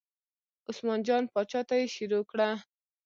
عثمان جان پاچا ته یې شروع کړه.